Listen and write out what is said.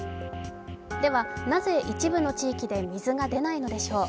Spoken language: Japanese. では、なぜ一部の地域で水が出ないのでしょう。